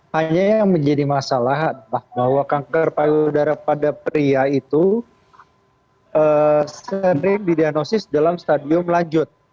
hanya yang menjadi masalah adalah bahwa kanker payudara pada pria itu sering didiagnosis dalam stadium lanjut